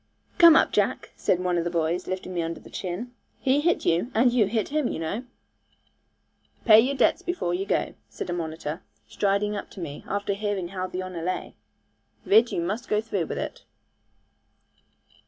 'Come up, Jack,' said one of the boys, lifting me under the chin; 'he hit you, and you hit him, you know.' 'Pay your debts before you go,' said a monitor, striding up to me, after hearing how the honour lay; 'Ridd, you must go through with it.'